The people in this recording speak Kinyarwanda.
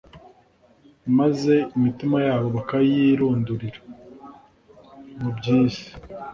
maze imitima yabo bakayirundurira mu by'iyi si.